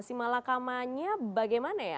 si malakamanya bagaimana ya